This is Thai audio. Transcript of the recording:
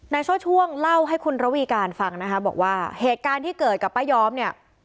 โชช่วงเล่าให้คุณระวีการฟังนะคะบอกว่าเหตุการณ์ที่เกิดกับป้าย้อมเนี่ย